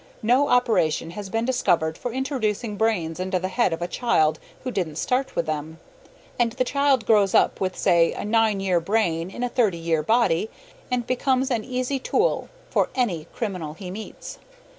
No operation has been discovered for introducing brains into the head of a child who didn't start with them. And the child grows up with, say, a nine year brain in a thirty year body, and becomes an easy tool for any criminal he meets.